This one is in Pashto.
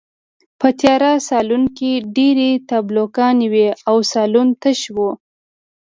په تیاره سالون کې ډېرې تابلوګانې وې او سالون تش و